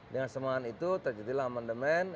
dengan semangat itu terjadilah amandemen